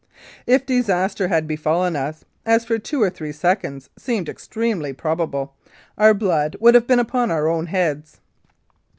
If disaster had befallen us, as for two or three seconds seemed extremely probable, our blood would have been upon our own heads.